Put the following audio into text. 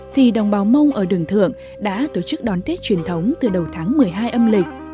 thì đồng bào mông ở đường thượng đã tổ chức đón tết truyền thống từ đầu tháng một mươi hai âm lịch